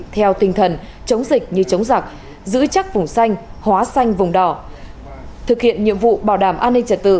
theo tinh thần chống dịch như chống giặc giữ chắc vùng xanh hóa xanh vùng đỏ thực hiện nhiệm vụ bảo đảm an ninh trật tự